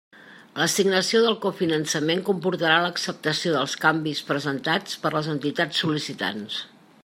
L'assignació del cofinançament comportarà l'acceptació dels canvis presentats per les entitats sol·licitants.